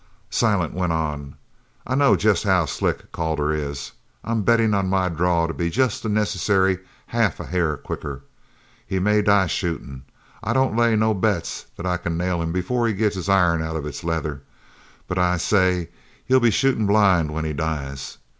Silent went on: "I know jest how slick Calder is. I'm bettin' on my draw to be jest the necessary half a hair quicker. He may die shootin'. I don't lay no bets that I c'n nail him before he gets his iron out of its leather, but I say he'll be shootin' blind when he dies.